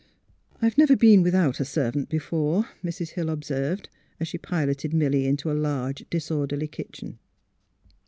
'' I've never been without a servant before," •Mrs. Hill observed, as she piloted Milly into a large disorderly kitchen.